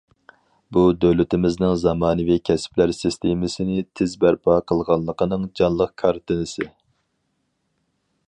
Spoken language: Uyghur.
بۇ، دۆلىتىمىزنىڭ زامانىۋى كەسىپلەر سىستېمىسىنى تېز بەرپا قىلغانلىقىنىڭ جانلىق كارتىنىسى.